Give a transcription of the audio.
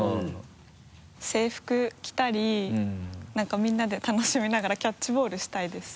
制服着たりなんかみんなで楽しみながらキャッチボールしたいです。